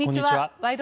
「ワイド！